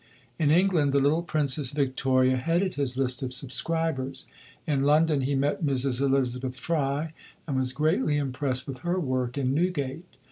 In England, the little Princess Victoria headed his list of subscribers. In London he met Mrs. Elizabeth Fry and was greatly impressed with her work in Newgate.